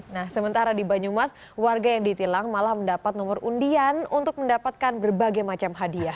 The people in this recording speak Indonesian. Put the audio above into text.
nah sementara di banyumas warga yang ditilang malah mendapat nomor undian untuk mendapatkan berbagai macam hadiah